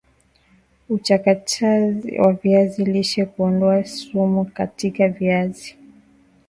uchakataji wa viazi lishe Kuondoa sumu katika viazi